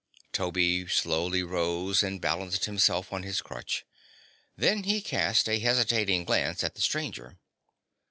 Toby slowly rose and balanced himself on his crutch. Then he cast a hesitating glance at the stranger.